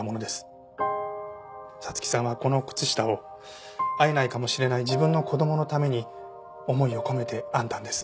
彩月さんはこの靴下を会えないかもしれない自分の子供のために思いを込めて編んだんです。